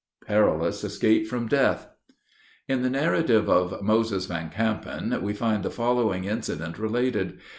PERILOUS ESCAPE FROM DEATH. In the narrative of Moses Van Campen, we find the following incident related.